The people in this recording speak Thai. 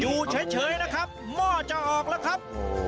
อยู่เฉยนะครับหม้อจะออกแล้วครับ